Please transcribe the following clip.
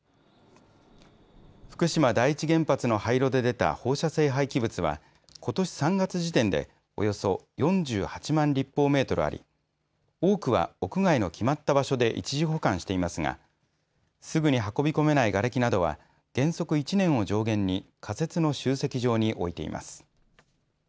福島第一原発の廃炉で出た放射性廃棄物はことし３月時点でおよそ４８万立方メートルあり多くは屋外の決まった場所で一時保管していますがすぐに運び込めないがれきなどは原則１年を上限に仮設の集積場に置いています。